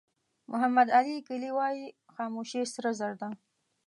محمد علي کلي وایي خاموشي سره زر ده.